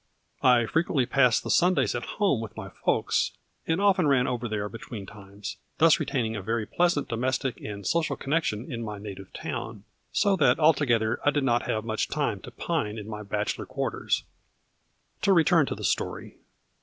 I frequently passed the Sundays at home with my folks, and often ran over there between times, thus retain ing a very pleasant domestic and social connec tion in my native town ; so that altogether I did not have much time to pine in my bachelor quarters. To return to the story.